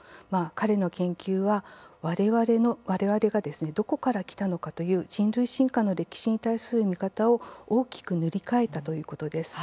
彼の研究は我々がどこから来たのかという人類進化の歴史に対する見方を大きく塗り替えたということです。